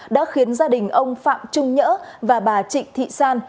đã khiến gia đình ông phạm trung nhớ và bà trịnh thị san